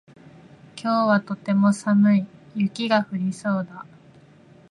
今日はとても寒い。雪が降りそうだ。